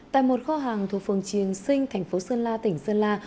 tại một kho hàng thuộc phường triền sinh thành phố sơn la tỉnh sơn la